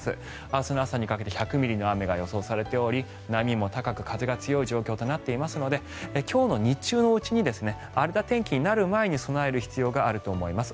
明日の朝にかけて１００ミリの雨が予想されており波も高く風が強い状況となっていますので今日の日中のうちに荒れた天気になる前に備える必要があると思います。